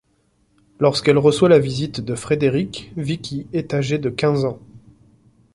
Lorsqu'elle reçoit la visite de Frédéric, Vicky est âgée de quinze ans.